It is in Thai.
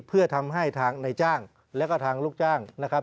เพื่อทำให้ทางในจ้างแล้วก็ทางลูกจ้างนะครับ